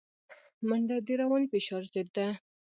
منډه د رواني فشار ضد ده